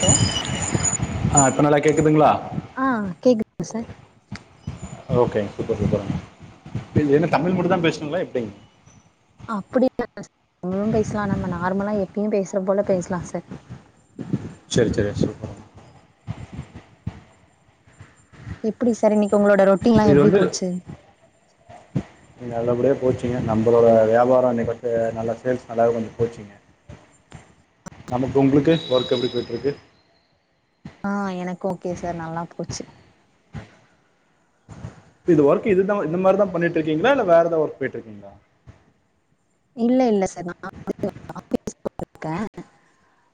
Hello. ஆஹ இப்போ நல்லா கேக்குதுங்களா. ஆ கேக்குதுங்க சார் ஓகேங்க சூப்பர் சூப்பருங்க என்ன தமிழ் மட்டுதான் பேசணுங்களா எப்படிங். அப்டில்ல எப்பவும் பேசுறது போல பேசலாம் சார். சேரி சேரி சொல்லுங்க. எப்படி சார் இன்னைக். கு உங்களோட ரொட்டின்ல்லாம் இது எப்படி வந்து போச்சு. நல்லபடியா போச்சிங்க நம்மளோட வியாபாரோ இன்னைக்கு வந்து நல்லா சேல்ஸ் நல்லாவே கொஞ்சம் போச்சிங்க. நமக்கு உங்களுக்கு ஒர்க் எப்படி போய்யிட்டிருக்கு. ஆஹ எனக்கு ஓகே சார் நல்லா போச்சு. இது ஒர்க் இதுதான் இந்த மாதிரிதான் பண்ணிட்டு இருக்கீங்களா இல்ல வேற ஏதா ஒர்க் போயிட்டு இருக்கீங்களா. இல்ல இல்லச். சார் நான் ஆஃபிஸ். இருக்க.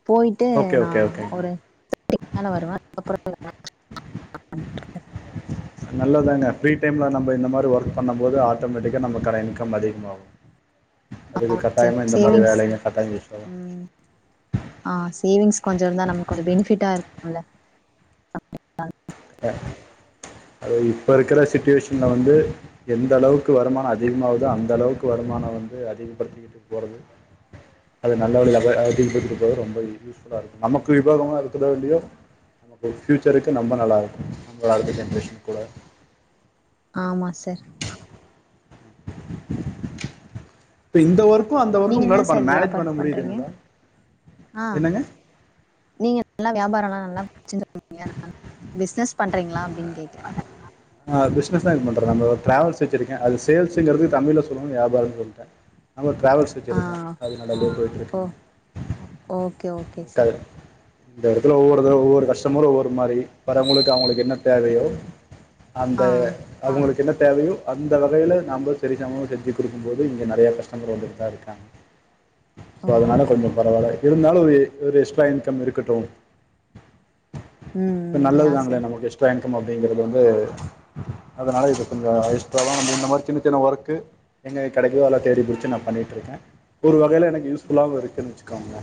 போயிட்டு ஓகே ஓகே நான் ஓகேங்க ஒருவாரம் வருவேன் அப்றோ [inaudible] நல்லதாங்க ஃப்ரீ டைம்ல நம்ம இந்த மாதிரி ஒர்க் பண்ணும் போது ஆட்டோமேட்டிக்கா நம்மக்கான இன்கம் அதிகமாகும் அதுக்கு சார் கட்டாயமா இந்த மாதிரி சேவிங்ஸ் வேலைங்க கட்டாயம் யூஸ் ம் ஆ சேவிங்ஸ் கொஞ்சம் இருந்தா நமக்கு கொஞ்சம் பெனிஃபிட்டா இருக்கும்ல அ இப்ப இருக்கிற சுச்சுவேஷன்ல வந்து எந்த அளவுக்கு வருமானம் அதிகமதோ அந்த அளவுக்கு வருமானம் வந்து அதிகப்படுத்திக்கிட்டு போறது அது நல்ல அதிகப்படுத்த போது ரொம்ப யூஸ்ஃபுல்லா இருக்கும் நமக்கு உபயோகம் இருக்கிற இல்லையோ நம பூயூச்சருக்கு ரொம்ப நல்லா இருக்கும் நங்க அடுத்த ஜென்ரேஷன் கூட ஆமா சார் இப்ப இந்தவரு அந்த ஒர்க்கும் நீங்க என்ன உங்களால மேனேஜ் பண்ண முடியுதுங்களா ஆஹ என்னங்க நீங்க நல்லா வியாபாரம் எல்லா நல்லா [unintelligible] பிசினஸ் பண்றீங்களா அப்டின்னு கேக்குறேன் ஆஹ பிசினஸ் இது பண்றேன் நம்ம டிராவல்ஸ் வச்சிருக்கேன் அ சேல்ஸ்ங்கிறது தமிழ சொல்லுவதுக்கு வியாபாரம்னு சொல்லிட்டேன் நம்ம ட்ராவல்ஸ் வச்சுருக்கேன் ஆ அது நல்லபடிய ஓ போயிடுயிருக்கு ஓகே ஓகே சார் உங்கல் இந்த இடத்துல ஒவ்வொரு ஒவ்வொரு கஸ்டமரும் ஒவ்வொரு மாரி வரவங்களுக்கு அவங்களுக்கு என்ன தேவையோ அந்த ஆ அவங்களுக்கு என்ன தேவையோ அந்த வகையில நாம சரி சமவம் செஞ்சு கொடுக்கும் போது இங்க நிறைய கஸ்டமர்கள் வந்து தான் இருக்காங்க சோ ஓ அதனால கொஞ்சம் பரவாயில்ல இருந்தாலும் ஒரு ஒரு எக்ஸ்ட்ரா இன்கம் இருக்கட்டும் ம் இப்ப ம் யா நல்லதுதாங்களே சார் நமக்கு எக்ஸ்ட்ரா இன் அப்டிங்கிறது வந்து அதனால கொஞ்சம் எக்ஸ்ட்ராவா சின்ன சின்ன ஒர்க்கு எங்க கிடைதோ அத தேடி புடிச்சு நா பண்ணிட்டு இருக்கேன் ஒரு வகையையில யூஸ்ஃபுல்ல இருக்கு காமுங்க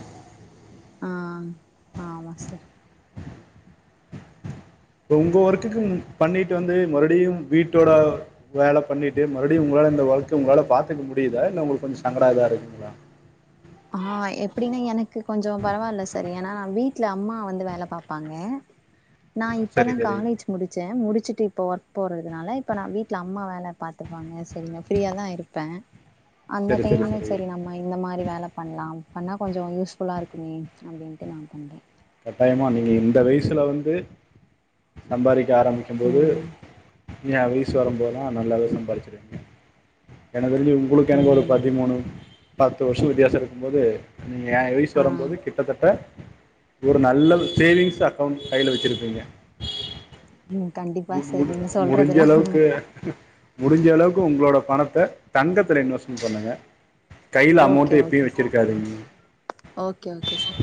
ஆஹ் ஆமா சார் உங்க ஒர்க்குக்கும் பண்ணிட்டு வந்து மறுபடியும் வீட்டோட வேலை பண்ணிட்டு மறுபடியும் உங்களால இந்த ஒர்க்க உங்களால பாத்துக்க முடியுதா இல்ல உங்களுக்கு கொஞ்சம் சங்கடம் எத இருக்குங்களா ஆஹ் எப்பிடின்னா எனக்கு கொஞ்சம் பரவாயில்ல சார் ஏன்னா நான் வீட்டுல அம்மா வந்து வேலை பாப்பாங்க நான் சரி இப்பதான் சரி காலேஜ் முடிச்சேன் முடிச்சிட்டு இப்ப ஒர்க் போறதுனால இப்ப நான் வீட்டுல அம்மா வேலை பாத்தப்பாங்க சரி நான் ஃப்ரீயா தான் இருப்பேன் அந்த டைம்ல சரி நம்ம இந்த மாரி வேலை பண்ணலாம் பண்ணா கொஞ்சம் யூஸ்ஃபுல்லா இருக்குமே அப்டின்ட்டு நான் பண்றேன் டைமா நீங்கள் இந்த வயசில வந்து சம்பாதிக்க ஆரம்பிக்கும்போது ம் யா வயசு வரும்போதுலாம் நல்லாவே சம்பாதிச்சீடுவிங்க எனக்கு தெரிஞ்சு உங்களுக்கு எனக்கு ஒரு ம் பதிமூணு பத்து வருஷம் வித்தியாசம் இருக்கும்போது நீங்க ஏ வயசு ஆ வரும்போது கிட்டத்தட்ட ஒரு நல்ல சேவிங்ஸ் அக்கவுண்ட் கையில வச்சிருப்பீங்க ம் கண்டிப்பா முட் சார் முட நீங்க முடிஞ்ச சொல்றதெல்லா அளவுக்கு முடிஞ்ச அளவுக்கு உங்களோட பணத்த தங்கத்துல இன்வெஸ்ட்மெண்ட் பண்ணுங்க கையில ஓகே அமௌண்ட் எப்பயு ஓகே சார் வச்சிருக்காதீங்க ஓகே ஓகே சார்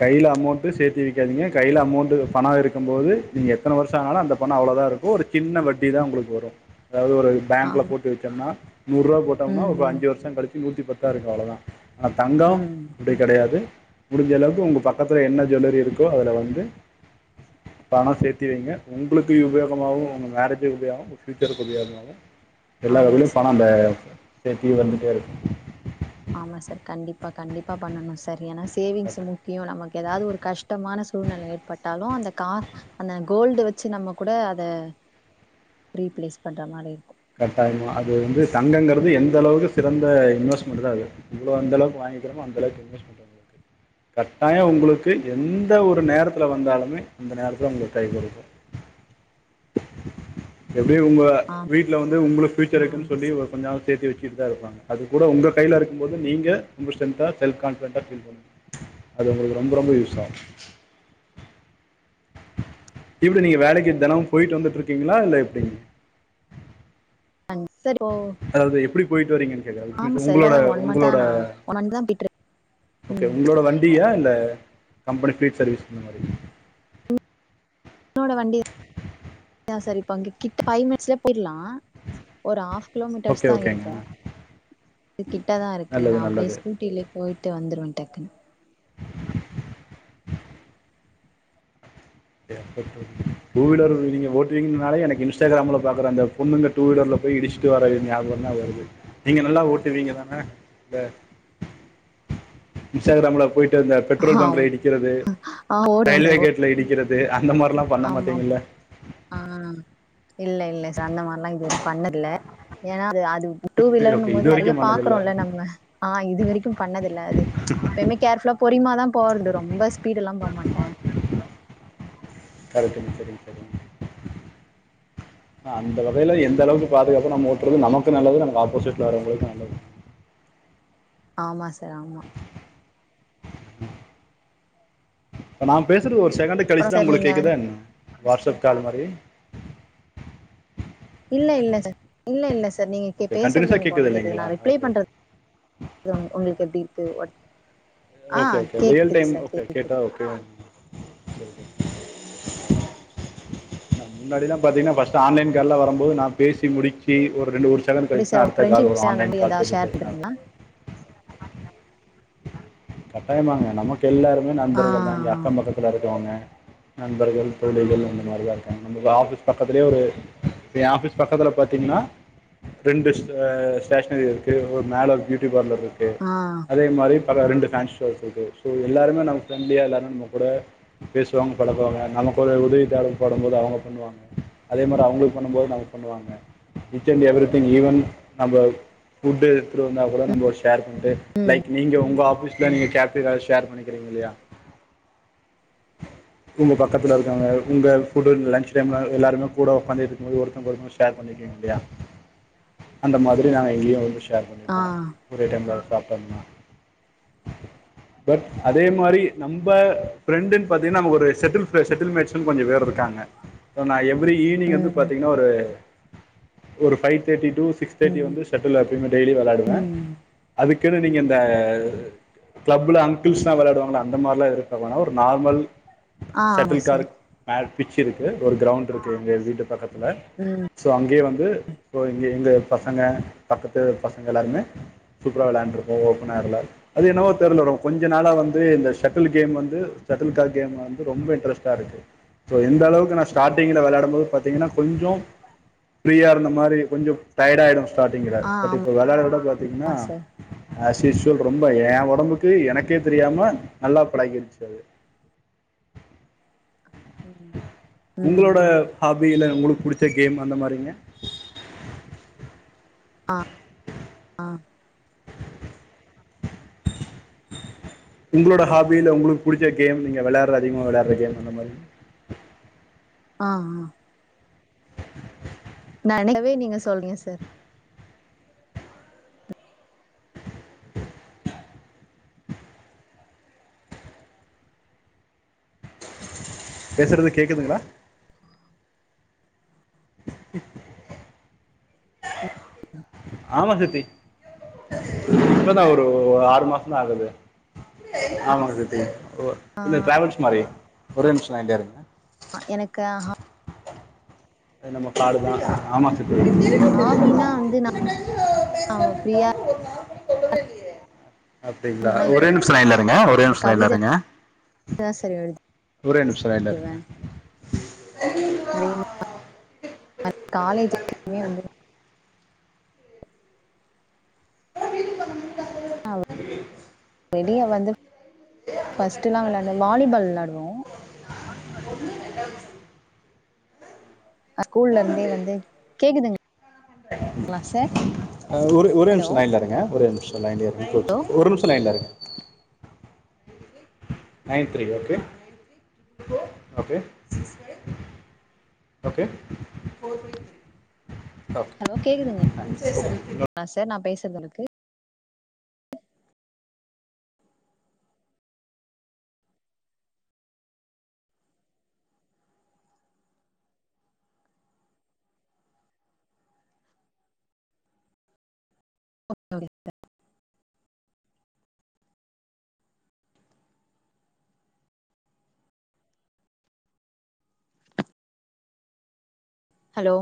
கையில அமௌண்ட்டு சேத்தி வைக்காதீங்க கையில அமௌண்ட் பணோ இருக்கும் போது நீங்க எத்தன வரு ஷோ ஆனாலு அந்த பணோ அவ்ளோதா இருக்கும் ஒரு சின்ன வட்டிதா உங்களுக்கு வரு அதாவது ஒரு பேங்க்ல ஆமா போட்டு வச்சோம்னா நூறு ரூபா போட்டோம்னா ம் ஒரு ம் அஞ்சு வருஷோ கழிச்சி நூத்தி பத் தா இருக்கும் அவ்ளோதா ஆனா தங்கோ ம் அப்டி கெடையாது முடிஞ்ச அளவுக்கு உங்க பக்கத்துல என்ன ஜுவல்லரி இருக்கோ அதுல வந்து பணோ சேத்தி வைங்க உங்களுக்கு உபயோகமாகு உங்க மேரேஜுக்கு உபயோகமாகு உங்க ஃபயூச்சருக்கு உபயோகமாகு எல்லா ஆமா வகையிலு சார் பணோ பே சேத்தி வந்துட்டே இருக்கு ஆமா சார் கண்டிப்பா கண்டிப்பா பண்ணனு சார் ஏன்னா சேவிங்ஸ் கட்ட முக்கியோ நமக்கு ஏதாவது ஒரு கஷ்டமான சூழ்நிலை ஏற்பட்டால் லு அந்த கா அந்த கோல்டு வச்சு நம்ம கூட அத ரீப்ளேஸ் பண்ற மாரி இருக்கு கட்டாயமா அது வந்து தங்கங்கிறது எந்த அளவுக்கு சிறந்த இன்வெஸ்ட்மெண்ட்தா அது இவ்ளவு அந்த அளவுக்கு வாங்கிக் வைக்கிறோமோ அந்த அளவுக்கு இன்வெஸ்ட்மெண்ட் உங்களுக்கு கட்டாயோ உங்களுக்கு எந்த ஒரு நேரத்துல வந்தாலுமே அந்த நேரத்துல உங்களுக்கு கை கொடுக்கு எப்டி உங்க வீட்ல வந்து உங்களுக்கு ஆமா ஃபியூச்சருக்குன்னு ஆமா சொல்லி சார் ஒரு கொஞ்சமா து சேத்தி வச்சிட்டுதா இருப்பாங்க அது கூட உங்க கைல இருக்கும்போது நீங்க உங்க ஸ்ட்ரென்த்தா செல்ஃப் கான்ஃபிடன்டா ஃபீல் பண்ணுவீங்க அது உங்களுக்கு ரொம்ப ரொம்ப யூஸ் ஆகு எப்டி நீங்க வேலைக்கி தெனமு போய்ட்டு வந்துட்டு இருக்கீங்களா இல்ல எப்டிங் அங் சார் இப்போ அதாவது எப்படி போயிட்டு வரீங்கனு கேக்கறே இட் ஆமா மீன்ஸ் சார் உங்களோட இப்பதா ஒன் மந்த்தா உங்களோட நா ஒன் மந்த் தா போயிட்ரு ஓகே ம் உங்களோட வண்டியா இல்ல கம்பெனி ஃபீல்டு சர்வீஸ் இந்த மாரி என்னோட வண்டி தா சார் இப்ப இங்க கிட்ட ஃபைவ் மினிட்ஸ்லயே போயிடலா ஒரு ஆஃப் ஓகே கிலோமீட்டர்ஸ்தா ஓகேங்க இருக்கு [unintelligible] கி ட்டதா இருக்கு நல்லது நான் அப்டியே நல்லது ஸ்கூட்டிலயே போயி ட்டு வந்துருவே டக்குன்னு [unintelligible] டூ வீலர் நீங்க ஓட்டுவீங்கனாலே எனக்கு இன்ஸ்டாகிராம்ல பாக்குற அந்த பொண்ணுங்க டூ வீலர்ல போய் இடிச்சுட்டு வர்ற ஞாபகம்தா வருது நீங்க நல்லா ஓட்டுவீங்கதான இல்ல இன்ஸ்டாகிராம்ல போய் ட்டு இந்த பெட்ரோல் ஆ பங்க்ல இடிக்கிறது ஆ ஓடுவே சார் ரயில்வே கேட்ல இடிக்கிற து அ இந்த மாரில்லா பண்ண ஆமா ஆமா மாட்டீங்கல்ல ஆ இல்ல இல்ல சார் அந்த மாரிலாம் இதுவரை பண்ணன்ல ஏன்னா டூ ஓகே வீலர்ம் இது போது நிறைய வரைக்கும் பண்ணதில்லை பாக்றோம் ல நம்ம அஹா இது வரைக்கும் பண்ணதில்ல அது எப்பயுமே கேர்ஃபுல்லா பொரியமாதான் போறது ரொம்ப ஸ்பீடு ல்லாம் போக மாட்டேன் கெரக்டுத சேரி அந்த வகையில எந்த அளவுக்கு பாதுகாப்பு நம்ம ஓட்டுறது நமக்கு நல்லது நம்ம ஆப்போசிட்ல வரவங்களுக்கு நல்லது ஆமா சார் ஆமா நான் பேசுறது ஒரு செகண்ட் அப்புறோ கழிச்சுதான் சார் உங்களுக்கு நீங்க வந்து கேக்குதா என்ன வாட்ஸ்அப் காலமாரி இல்ல இல்ல சார் இல்ல இல்ல சார் சார் நீங்கள் ஓகே பேசுறது கண்டினியூஸாக ஒனே கேட்குது கேடக்குது இல்லைங்களா நான் ரிப்ளை ஓகே பண்ணுறது உங்களுக்கு எப்படி இருக்குது உட ஓகே ஓகே ரியல் டைம் கே கேட்டா கேக்குது ஓகே [unintelligible] முன்னாடி தான் பாத்தீங்கன்னா பஸ்ட் ஆன்லைன் கால்லா வரும்போது நான் பேசி முடிச்சு ஒரு ரெண்டு வருஷ் ரெண்டு நாள் எப்டி கழிச்சு சார் தான் உங்க அடுத்த கால் ஃப்ரெண்ட்ஷிப்ஸ் வரும் அந்த ஆன்லைன் மாரி கால் எதா சேல்ஸ் ஷேர் பண்றீங்களா கட்டாயமாங்க நமக்கு எல்லோருமே ஆ நண்பர்கள் தான் இங்க அக்கம் பக்கத்துல இருக்குறவங்க நண்பர்கள் தோழிகள் அந்த மாரி தான் இருக்காங்க நம ஆபீஸ் பக்கத்திலயே ஒரு ஏன் ஆபீஸ் பக்கத்துல பாத்தீங்கன்னா ரெண்டுஹ ஸ்டேஷனரி இருக்கு ஒரு மேல ஒரு பியூட்டி பார்லர் இருக்கு ஆ அதே மாரி அத ரெண்டு ஃபான்ஷது ஸோ எல்லாருமே நம்ம ஃப்ரெண்ட்லியாக எல்லாரரும் நம்ம கூட பேசுவாங்க பழக்கவாங்க நமக்கு ஒரு உதவி தேவ போடும்போது அவங்க பண்ணுவாங்க அதே மாதிரி அவங்களுக்கு பண்ணும்போது நம பண்ணுவாங்க each and everything even நம்ம ஃபுட்டு் எடுத்துகிட்டு வந்தால் கூட ம் நம்ம பட்டு ம் லைக் நீங்க உங்க ஆபீஸ் ம் நீங்க கேபி ஏதாவது ஷேர் பண்ணி இருக்கிங்கல்லா உங்க பக்கத்தில் இருக்கங்க உங்க லட்ஞ் டைம்ல எல்லாருமே கூட ஒக்கார்ந்திற்றிக்கு போது அந்த மாதிரிதான் ஷேர் ஆ பண்ணிக்குவோம் ஒரே டைமல அது சாப் [unintelligible] பட் அதே மாதிரி நம்ப ஃபிரெண்டுனு பாத்தீங்கனா நமக்கு ஒரு செட்டு செட்டில் மேட்சில் கொஞ்சபேர் இருக்காங்க சோ நா எம் ஈவினிங் வந்து ம் பாத்தீங்கன்னா ஒரு ஒரு ஃபைவ் தேர்டி டூ சிக்ஸ் தேடி வந்துஷட்டில் டெய்லி விளாடுவேன் ம் அதுக்குன்னு நீங்க இந்த கிளப்ல அங்கிள்ஸ் எல்லாம் விளாடுவாங்களா அந்த மாரி எல்லாம் இருக்வேனா ஒரு நார்மல் ஆ ஆமா சட்டில் சார் கார்க் மே பிச் இருக்கு ஒரு கிரண்ட் இருக்கு எங்க வீட்டு பக்க வந்துருவே ம் சோ அங்கேயே வந்து சோ இ எங்க பசங்க பக்கத்து பசங்க எல்லாருமே சூப்பர விளையாண்டு இருக்கோம் ஓப்பனர்ல அது என்னவோ தெரில வரும் கொஞ்ச நாளாக வந்து இந்த ஷட்டில் கேம் வந்து ஷட்டில் கார் கேம் வந்து ரொம்ப இன்ட்ரெஸ்ட்டாக இருக்கு ஸோ இந்த அளவுக்கு நான் ஸ்டார்ட்டிங்கில் விளாடும்போது பார்த்தீங்கன்னா கொஞ்சம் ஃப்ரீயாக இருந்த மாதிரி கொஞ்சம் டர்ட ஆகிடும் ஸ்டார்டிங்ல ஆ பட் இப்ப ஆமா வெளாட விட பாத்தீங்னா சார் அஸ்யூஷ்வல் ரொ ம்ப ஏ உடம்புக்கு எனக்கே தெரியாம நல்லா பழகிருச்சு அது ம் உங்களோட ம் ஹாபியில உங்களுக் புடிச்ச கேம் அந்த மாரிங்க ஆ ஆ உங்களோட ஹாபியில உங்களுக்கு புடிச்ச கேம் நீங்க விளையாடுற அதிகமா விளையாடுற கேம் அந்த மாரி ஆ ஆ [inaudible] [unintelligible] நீங்க சொல்றீங்க சார் பேசுறது கேக்குதுங்களா ஆமா சத்தி இப்பதா ஒரு ஆறு மாசந்தா ஆகுது ஆமாங்க சத்தி இந்த ட்ராவல்ஸ் மாரி ஒரே நிமிஷ லைன்லே இருங்க எனக்கு அஹ அது நம்ம காடு தா ஆமா சத் ஹாபினா வந்து நா ஃப்ரீயா [unintelligible] அப்டிங்ளா இருந்தேன்னா இப்ப ஒரே நிமிஷ லைன்லருங்க ஒரே நிமிஷ கவித லைன்லருங்க தா சார் ஒரே நிமிஷ லைன்ல இருங்க எழுதுவே [inaudible] [inaudible] காலேஜு [inaudible] வந்து [inaudible] [inaudible] வெளிய வந்து ஃபஸ்ட்டுலா வெளான்டு வாலிபால் வெளாடுவோ [inaudible] ஸ்கூல்ல இருந்தே வந்து கேக்குதுங் ஒரு ஒரே ஹலோ நிமிஷ லைன்ல இருங்க ஒரே நி மிஷொ லைன்லயே [inaudible] ஒரு நிமிஷ லைன்ல இருங்க nine three okay okay okay okay hello கேக்குதுங்ளா சார் நா பேச சுங்களுக்கு ச [inaudible] ஹலோ